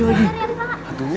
ustadz musa pergi lagi